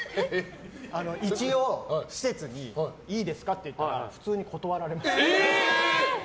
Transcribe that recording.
一応施設にいいですかって聞いたら普通に断られました。